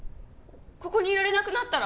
ここにいられなくなったら。